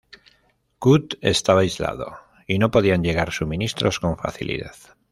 Kut estaba aislado y no podían llegar suministros con facilidad.